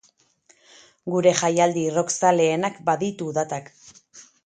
Gure jaialdi rockzaleenak baditu datak.